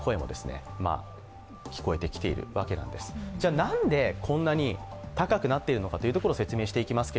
何でこんなに高くなっているのかというところを説明していきます。